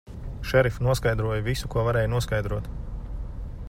Šerif, noskaidroju visu, ko varēja noskaidrot.